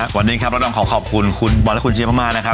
๙วันเนี่ยคับขอรับคุณบวรดและคุณเจฟมาก